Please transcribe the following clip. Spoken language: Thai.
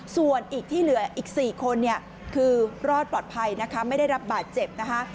ส่วนอีกที่เหลืออีก๔คนเนี่ยคือรอดปลอดภัยนะคะไม่ได้รับบาดเจ็บนะคะ